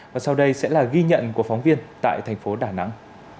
và sau đây sẽ là ghi nhận của phóng viên tại thành phố đà nẵng